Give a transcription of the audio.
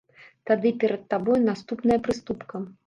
Тады перад табой наступная прыступка.